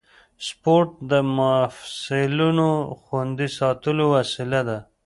سپورت د مفصلونو خوندي ساتلو وسیله ده.